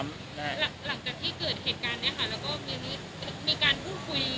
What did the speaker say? หลังจากที่เกิดเหตุการณ์นี้ค่ะแล้วก็มีการพูดคุย